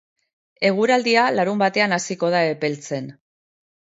Eguraldia larunbatean hasiko da epeltzen.